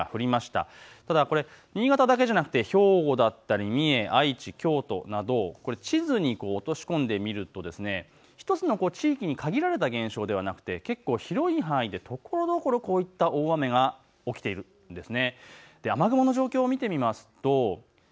ただ新潟だけではなくて兵庫や三重、愛知、京都など地図に落とし込んでみると１つの地域に限られた現象ではなくて、広い範囲でところどころ大雨が起きているんです。